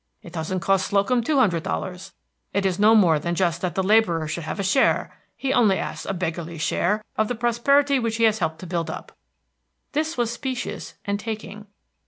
It doesn't cost Slocum two hundred dollars. It is no more than just that the laborer should have a share he only asks a beggarly share of the prosperity which he has helped to build up." This was specious and taking.